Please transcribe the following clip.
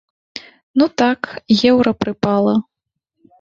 Ну так, еўра прыпала.